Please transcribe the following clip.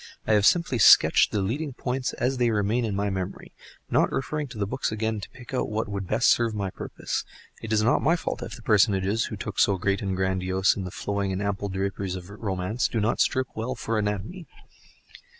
I have simply sketched the leading points as they remain in my memory, not referring to the books again to pick out what would best serve my purpose. It is not my fault if the personages, who looked so great and grandiose in the flowing and ample draperies of romance, do not strip well for anatomy.